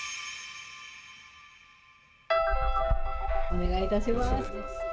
お願いいたします。